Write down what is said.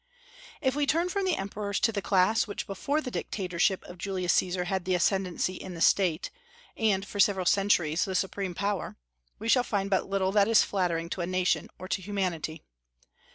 If we turn from the Emperors to the class which before the dictatorship of Julius Caesar had the ascendency in the State, and for several centuries the supreme power, we shall find but little that is flattering to a nation or to humanity.